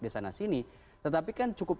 di sana sini tetapi kan cukup